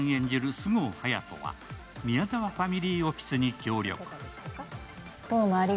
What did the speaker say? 菅生隼人は宮沢ファミリーオフィスに協力。